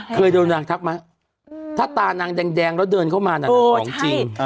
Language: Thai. เคยเดินมีคนทักมาถ้าตานางแดงแล้วเดินเข้ามามันเป็นของจริง